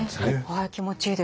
はい気持ちいいです。